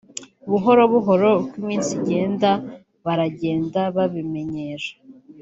buhoro buhoro uko iminsi igenda baragenda babimenyera